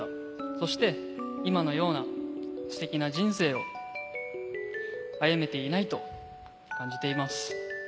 そして今のようなステキな人生を歩めていないと感じています。